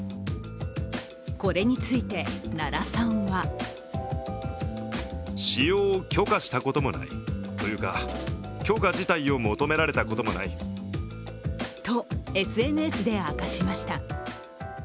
これについて奈良さんはとＳＮＳで明かしました。